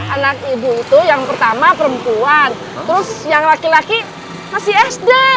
anak ibu itu yang pertama perempuan terus yang laki laki masih sd